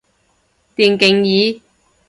電競椅